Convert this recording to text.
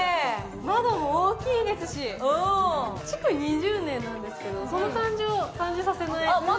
窓も大きいですし、築２０年なんですけど、その感じを感じさせない。